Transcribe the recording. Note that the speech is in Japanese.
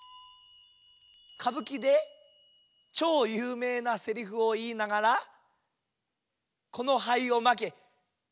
「かぶきでちょうゆうめいなセリフをいいながらこのはいをまけ」。